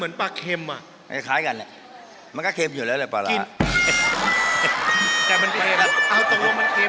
มันเค็มหรือมันไม่เป็นปลาเค็ม